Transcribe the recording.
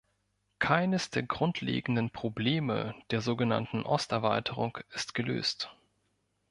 Keines der grundlegenden Probleme der so genannten Osterweiterung ist gelöst.